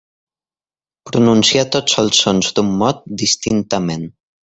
Pronunciar tots els sons d'un mot distintament.